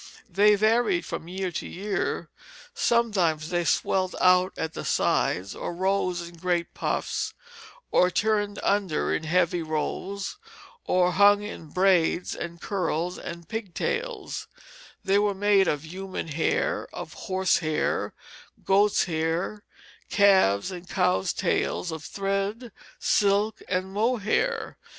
They varied from year to year; sometimes they swelled out at the sides, or rose in great puffs, or turned under in heavy rolls, or hung in braids and curls and pig tails; they were made of human hair, of horsehair, goat's hair, calves' and cows' tails, of thread, silk, and mohair.